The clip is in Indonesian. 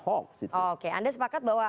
oke anda sepakat bahwa